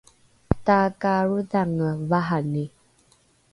takaarodhange vahani